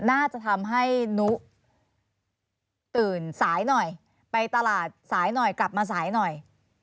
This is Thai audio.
น่าจะทำให้นุตื่นสายหน่อยไปตลาดสายหน่อยกลับมาสายหน่อย